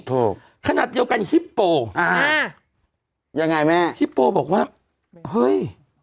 ขนาดเดียวกันฮิปโปอ่ายังไงแม่ฮิปโปบอกว่าเฮ้ย